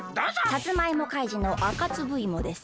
さつまいも怪人のあかつぶいもです。